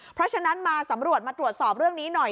เพราะฉะนั้นมาสำรวจมาตรวจสอบเรื่องนี้หน่อย